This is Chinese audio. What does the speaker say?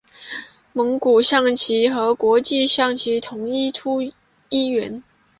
蒙古象棋和国际象棋同出一源。